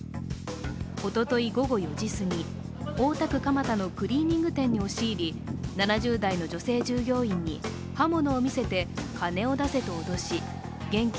おととい午後４時すぎ、大田区蒲田のクリーニング店に押し入り、７０代の女性従業員に刃物を見せて金を出せと脅し現金